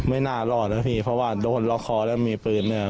ไม่น่ารอดนะพี่เพราะว่าโดนล็อกคอแล้วมีปืนเนี่ย